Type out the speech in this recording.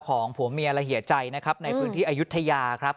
ของผัวเมียระเหียจัยในพื้นที่อายุธยาครับ